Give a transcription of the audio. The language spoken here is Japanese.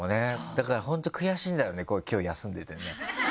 だから本当悔しいだろうね今日休んでてね。